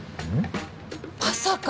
まさか！